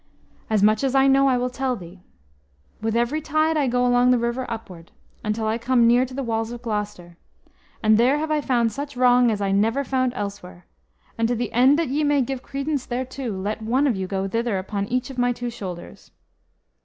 "As much as I know I will tell thee. With every tide I go along the river upward, until I come near to the walls of Gloucester, and there have I found such wrong as I never found elsewhere; and to the end that ye may give credence thereto, let one of you go thither upon each of my two shoulders."